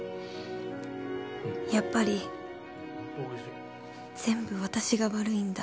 やっぱり全部私が悪いんだ